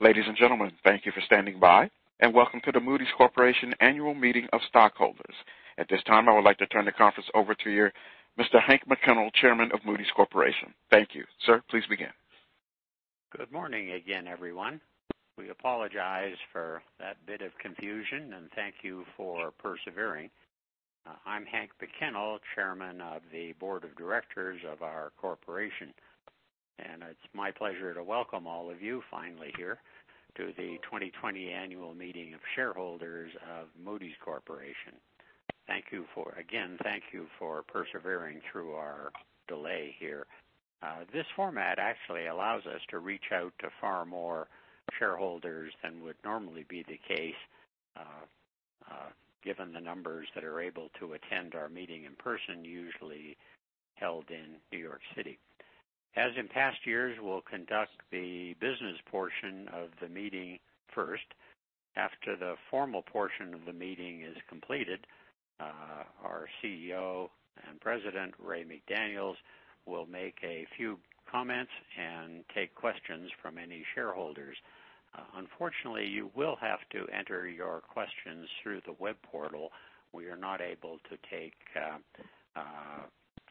Ladies and gentlemen, thank you for standing by, and welcome to the Moody's Corporation Annual Meeting of Stockholders. At this time, I would like to turn the conference over to Mr. Henry McKinnell, Chairman of Moody's Corporation. Thank you. Sir, please begin. Good morning again, everyone. We apologize for that bit of confusion, and thank you for persevering. I'm Henry McKinnell, Chairman of the Board of Directors of our corporation. It's my pleasure to welcome all of you finally here to the 2020 Annual Meeting of Shareholders of Moody's Corporation. Again, thank you for persevering through our delay here. This format actually allows us to reach out to far more shareholders than would normally be the case given the numbers that are able to attend our meeting in person, usually held in New York City. As in past years, we'll conduct the business portion of the meeting first. After the formal portion of the meeting is completed, our CEO and President, Ray McDaniel, will make a few comments and take questions from any shareholders. Unfortunately, you will have to enter your questions through the web portal. We are not able to take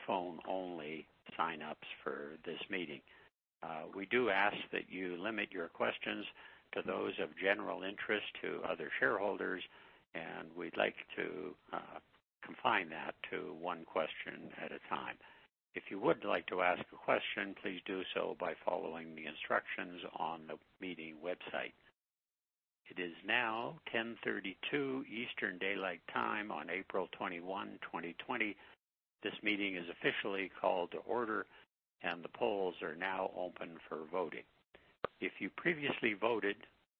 phone-only sign-ups for this meeting. We do ask that you limit your questions to those of general interest to other shareholders, and we'd like to confine that to one question at a time. If you would like to ask a question, please do so by following the instructions on the meeting website. It is now 10:32 Eastern Daylight Time on April 21, 2020. This meeting is officially called to order. The polls are now open for voting. If you previously voted,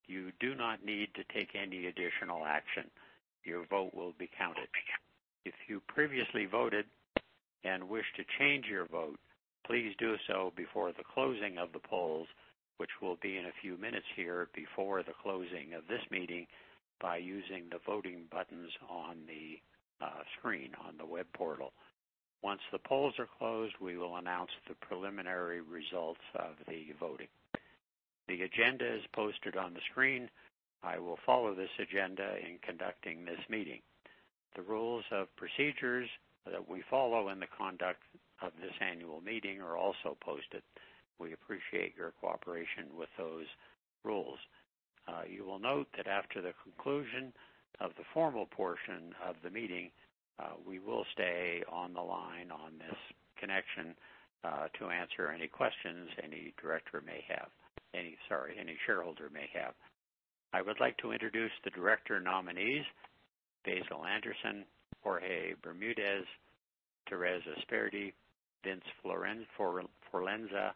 you do not need to take any additional action. Your vote will be counted. If you previously voted and wish to change your vote, please do so before the closing of the polls, which will be in a few minutes here before the closing of this meeting by using the voting buttons on the screen on the web portal. Once the polls are closed, we will announce the preliminary results of the voting. The agenda is posted on the screen. I will follow this agenda in conducting this meeting. The rules of procedures that we follow in the conduct of this annual meeting are also posted. We appreciate your cooperation with those rules. You will note that after the conclusion of the formal portion of the meeting, we will stay on the line on this connection to answer any questions any director may have. Any shareholder may have. I would like to introduce the director nominees, Basil Anderson, Jorge Bermudez, Thérèse Esperdy, Vince Forlenza,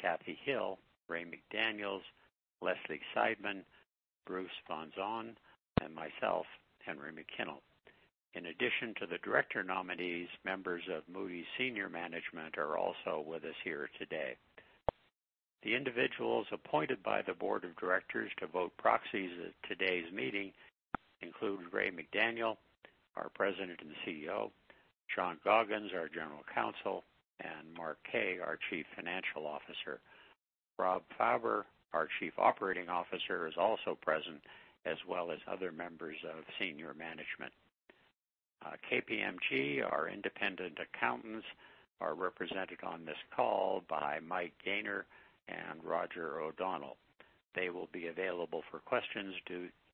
Kathy Hill, Ray McDaniel, Leslie Seidman, Bruce Van Saun, and myself, Henry McKinnell. In addition to the director nominees, members of Moody's senior management are also with us here today. The individuals appointed by the board of directors to vote proxies at today's meeting include Ray McDaniel, our President and CEO, John Goggins, our General Counsel, and Mark Kaye, our Chief Financial Officer. Rob Fauber, our Chief Operating Officer, is also present, as well as other members of senior management. KPMG, our independent accountants, are represented on this call by Mike Gaynor and Roger O'Donnell. They will be available for questions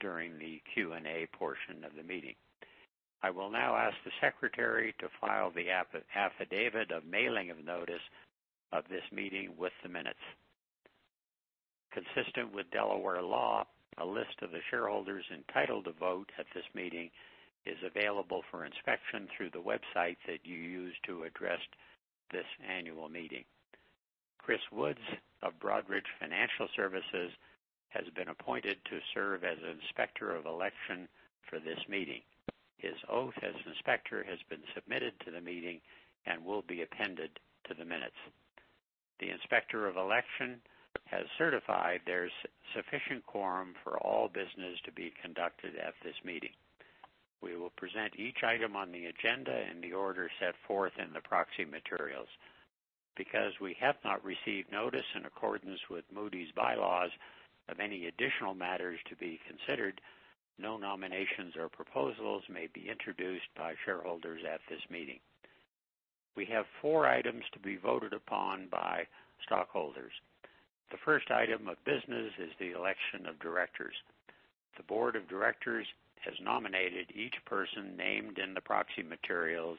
during the Q&A portion of the meeting. I will now ask the secretary to file the affidavit of mailing of notice of this meeting with the minutes. Consistent with Delaware law, a list of the shareholders entitled to vote at this meeting is available for inspection through the website that you used to address this annual meeting. Chris Woods of Broadridge Financial Solutions has been appointed to serve as Inspector of Election for this meeting. His oath as Inspector has been submitted to the meeting and will be appended to the minutes. The Inspector of Election has certified there's sufficient quorum for all business to be conducted at this meeting. We will present each item on the agenda in the order set forth in the proxy materials. Because we have not received notice in accordance with Moody's bylaws of any additional matters to be considered, no nominations or proposals may be introduced by shareholders at this meeting. We have four items to be voted upon by stockholders. The first item of business is the election of directors. The board of directors has nominated each person named in the proxy materials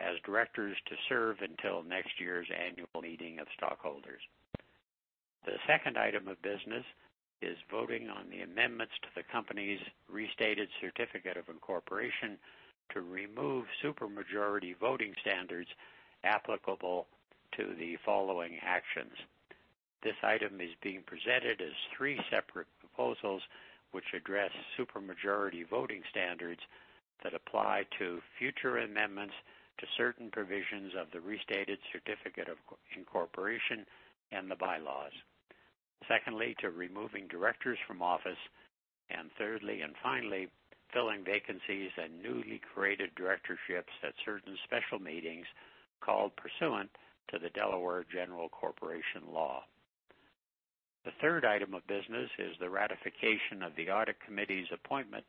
as directors to serve until next year's annual meeting of stockholders. The second item of business is voting on the amendments to the company's restated certificate of incorporation to remove super majority voting standards applicable to the following actions. This item is being presented as three separate proposals, which address super majority voting standards that apply to future amendments to certain provisions of the restated certificate of incorporation and the bylaws, secondly, to removing directors from office, and thirdly and finally, filling vacancies and newly created directorships at certain special meetings called pursuant to the Delaware General Corporation Law. The third item of business is the ratification of the Audit Committee's appointment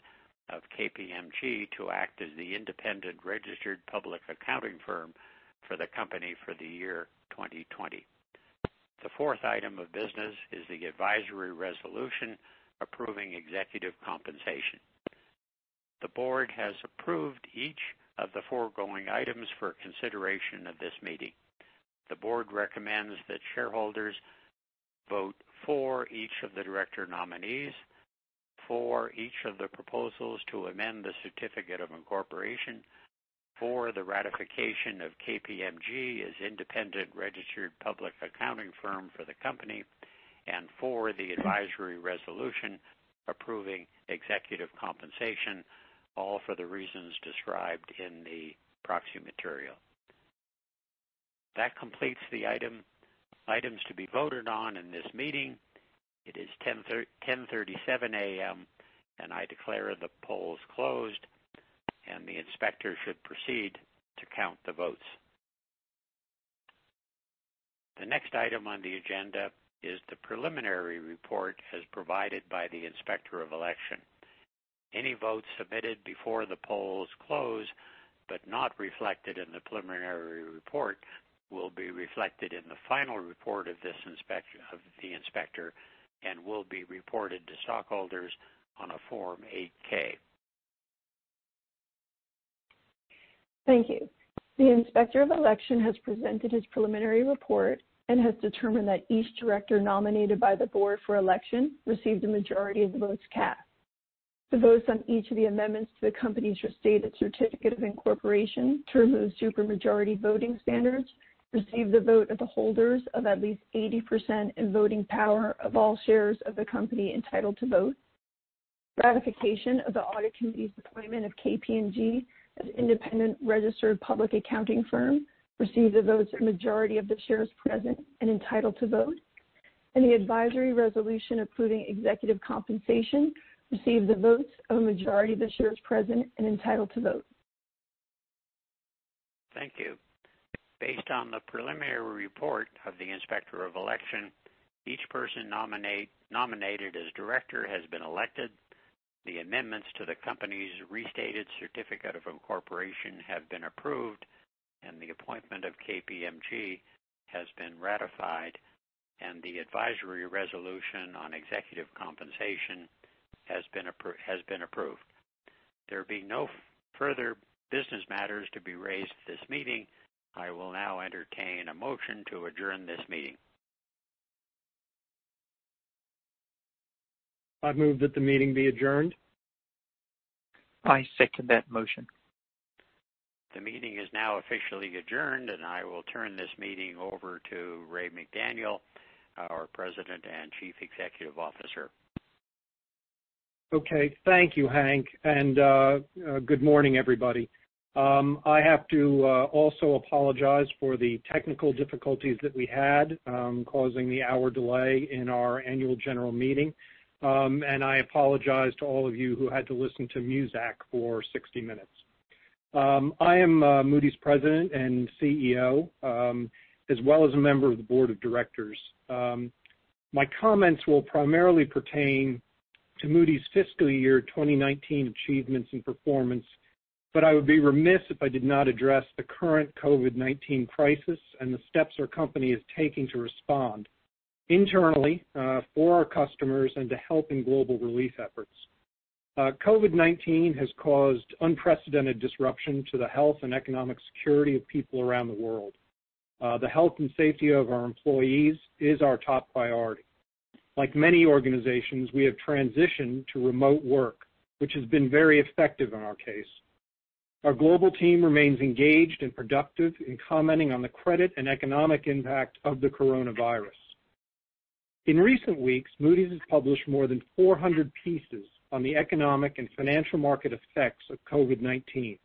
of KPMG to act as the independent registered public accounting firm for the company for the year 2020. The fourth item of business is the advisory resolution approving executive compensation. The board has approved each of the foregoing items for consideration at this meeting. The board recommends that shareholders vote for each of the director nominees, for each of the proposals to amend the certificate of incorporation, for the ratification of KPMG as independent registered public accounting firm for the company, and for the advisory resolution approving executive compensation, all for the reasons described in the proxy material. That completes the items to be voted on in this meeting. It is 10:37 A.M., and I declare the polls closed, and the inspector should proceed to count the votes. The next item on the agenda is the preliminary report as provided by the Inspector of Election. Any votes submitted before the polls close but not reflected in the preliminary report will be reflected in the final report of the inspector and will be reported to stockholders on a Form 8-K. Thank you. The Inspector of Election has presented his preliminary report and has determined that each director nominated by the board for election received a majority of the votes cast. The votes on each of the amendments to the company's restated certificate of incorporation to remove supermajority voting standards received the vote of the holders of at least 80% in voting power of all shares of the company entitled to vote. Ratification of the Audit Committee's appointment of KPMG as independent registered public accounting firm received the votes of a majority of the shares present and entitled to vote. The advisory resolution approving executive compensation received the votes of a majority of the shares present and entitled to vote. Thank you. Based on the preliminary report of the Inspector of Election, each person nominated as director has been elected, the amendments to the company's restated certificate of incorporation have been approved, and the appointment of KPMG has been ratified, and the advisory resolution on executive compensation has been approved. There being no further business matters to be raised at this meeting, I will now entertain a motion to adjourn this meeting. I move that the meeting be adjourned. I second that motion. The meeting is now officially adjourned, and I will turn this meeting over to Ray McDaniel, our President and Chief Executive Officer. Okay. Thank you, Henry. Good morning, everybody. I have to also apologize for the technical difficulties that we had, causing the hour delay in our annual general meeting. I apologize to all of you who had to listen to Muzak for 60 minutes. I am Moody's President and CEO, as well as a member of the board of directors. My comments will primarily pertain to Moody's fiscal year 2019 achievements and performance. I would be remiss if I did not address the current COVID-19 crisis and the steps our company is taking to respond internally, for our customers, and to helping global relief efforts. COVID-19 has caused unprecedented disruption to the health and economic security of people around the world. The health and safety of our employees is our top priority. Like many organizations, we have transitioned to remote work, which has been very effective in our case. Our global team remains engaged and productive in commenting on the credit and economic impact of the coronavirus. In recent weeks, Moody's has published more than 400 pieces on the economic and financial market effects of COVID-19.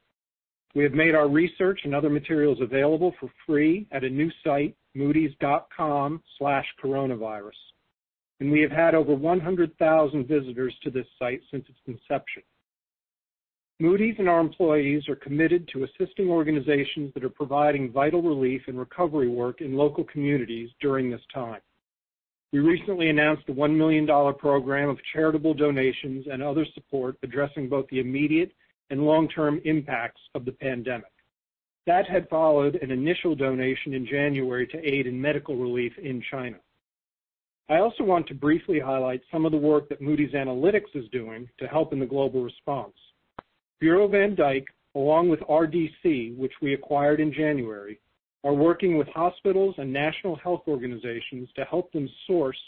We have made our research and other materials available for free at a new site, moodys.com/coronavirus. We have had over 100,000 visitors to this site since its inception. Moody's and our employees are committed to assisting organizations that are providing vital relief and recovery work in local communities during this time. We recently announced a $1 million program of charitable donations and other support addressing both the immediate and long-term impacts of the pandemic. That had followed an initial donation in January to aid in medical relief in China. I also want to briefly highlight some of the work that Moody's Analytics is doing to help in the global response. Bureau van Dijk, along with RDC, which we acquired in January, are working with hospitals and national health organizations to help them source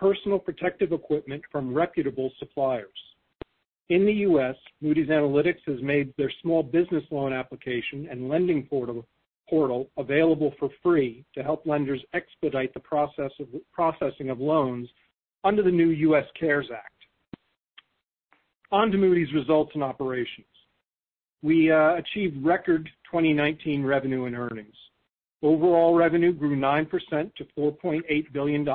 personal protective equipment from reputable suppliers. In the U.S., Moody's Analytics has made their small business loan application and lending portal available for free to help lenders expedite the processing of loans under the new U.S. CARES Act. On to Moody's results and operations. We achieved record 2019 revenue and earnings. Overall revenue grew 9% to $4.8 billion,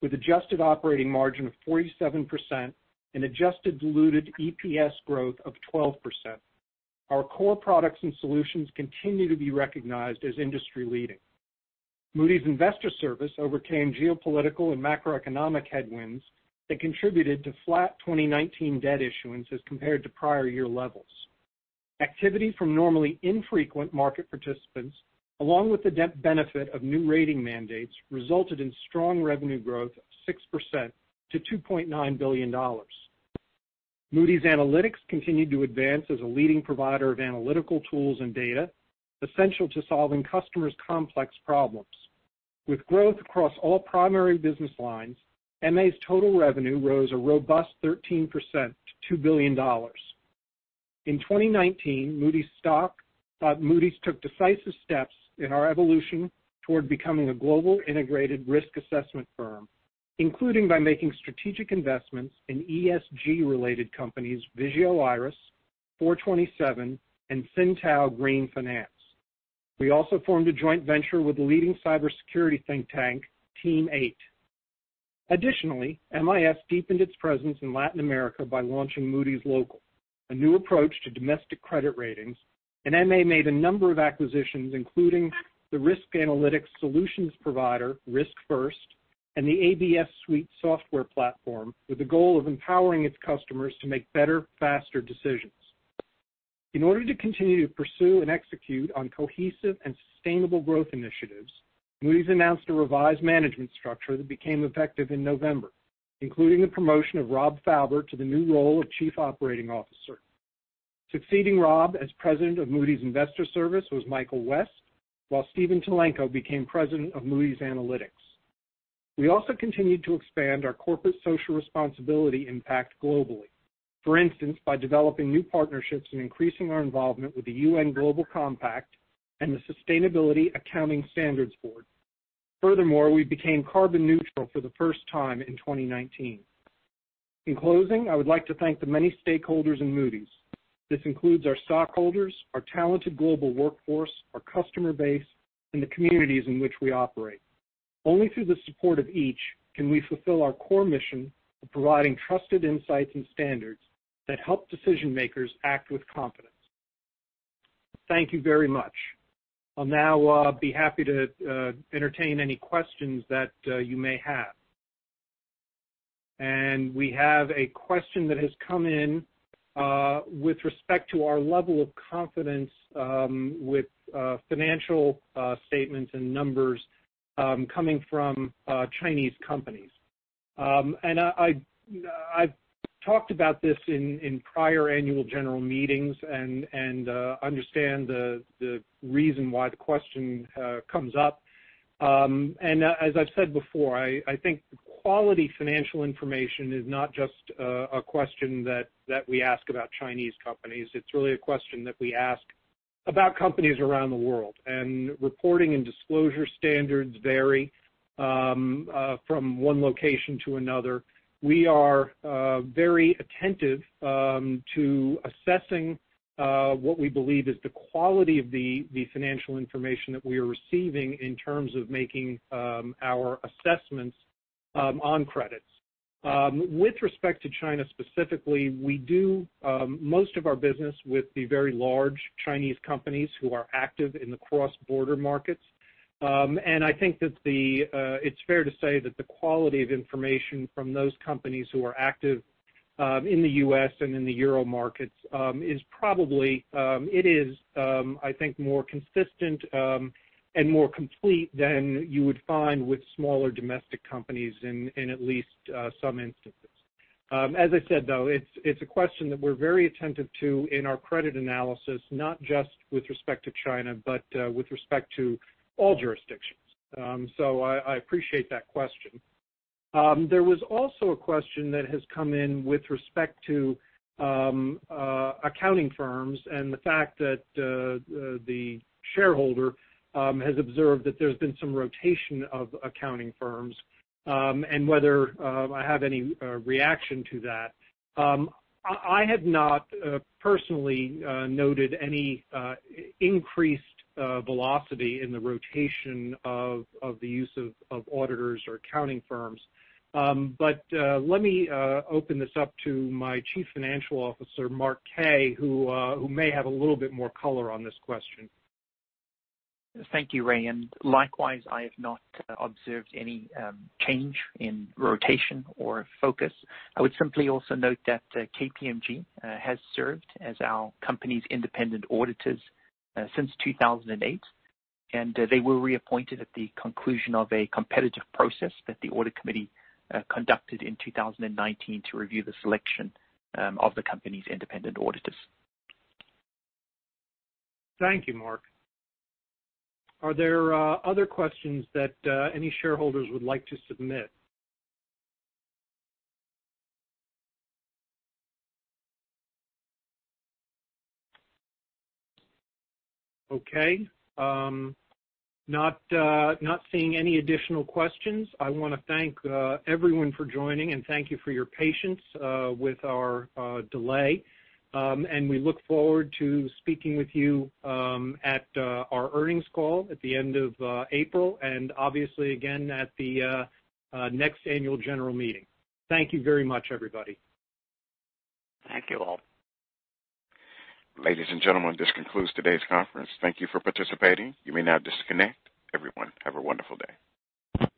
with adjusted operating margin of 47% and adjusted diluted EPS growth of 12%. Our core products and solutions continue to be recognized as industry leading. Moody's Investors Service overcame geopolitical and macroeconomic headwinds that contributed to flat 2019 debt issuance as compared to prior year levels. Activity from normally infrequent market participants, along with the benefit of new rating mandates, resulted in strong revenue growth of 6% to $2.9 billion. Moody's Analytics continued to advance as a leading provider of analytical tools and data essential to solving customers' complex problems. With growth across all primary business lines, MA's total revenue rose a robust 13% to $2 billion. In 2019, Moody's took decisive steps in our evolution toward becoming a global integrated risk assessment firm, including by making strategic investments in ESG-related companies Vigeo Eiris, 427, and SynTao Green Finance. We also formed a joint venture with the leading cybersecurity think tank, Team8. Additionally, MIS deepened its presence in Latin America by launching Moody's Local, a new approach to domestic credit ratings, and MA made a number of acquisitions, including the risk analytics solutions provider, RiskFirst, and the ABS Suite software platform with the goal of empowering its customers to make better, faster decisions. In order to continue to pursue and execute on cohesive and sustainable growth initiatives, Moody's announced a revised management structure that became effective in November, including the promotion of Rob Fauber to the new role of Chief Operating Officer. Succeeding Rob as President of Moody's Investors Service was Michael West, while Stephen Tulenko became President of Moody's Analytics. We also continued to expand our corporate social responsibility impact globally. For instance, by developing new partnerships and increasing our involvement with the UN Global Compact and the Sustainability Accounting Standards Board. We became carbon neutral for the first time in 2019. In closing, I would like to thank the many stakeholders in Moody's. This includes our stockholders, our talented global workforce, our customer base, and the communities in which we operate. Only through the support of each can we fulfill our core mission of providing trusted insights and standards that help decision-makers act with confidence. Thank you very much. I'll now be happy to entertain any questions that you may have. We have a question that has come in with respect to our level of confidence with financial statements and numbers coming from Chinese companies. I've talked about this in prior annual general meetings and understand the reason why the question comes up. As I've said before, I think quality financial information is not just a question that we ask about Chinese companies. It's really a question that we ask about companies around the world. Reporting and disclosure standards vary from one location to another. We are very attentive to assessing what we believe is the quality of the financial information that we are receiving in terms of making our assessments on credits. With respect to China specifically, we do most of our business with the very large Chinese companies who are active in the cross-border markets. I think that it's fair to say that the quality of information from those companies who are active in the U.S. and in the Euro markets is, I think, more consistent and more complete than you would find with smaller domestic companies in at least some instances. As I said, it's a question that we're very attentive to in our credit analysis, not just with respect to China, but with respect to all jurisdictions. I appreciate that question. There was also a question that has come in with respect to accounting firms and the fact that the shareholder has observed that there's been some rotation of accounting firms and whether I have any reaction to that. I have not personally noted any increased velocity in the rotation of the use of auditors or accounting firms. Let me open this up to my Chief Financial Officer, Mark Kaye, who may have a little bit more color on this question. Thank you, Ray. Likewise, I have not observed any change in rotation or focus. I would simply also note that KPMG has served as our company's independent auditors since 2008, and they were reappointed at the conclusion of a competitive process that the audit committee conducted in 2019 to review the selection of the company's independent auditors. Thank you, Mark. Are there other questions that any shareholders would like to submit? Okay. Not seeing any additional questions. I want to thank everyone for joining and thank you for your patience with our delay, and we look forward to speaking with you at our earnings call at the end of April and obviously again at the next annual general meeting. Thank you very much, everybody. Thank you all. Ladies and gentlemen, this concludes today's conference. Thank you for participating. You may now disconnect. Everyone, have a wonderful day.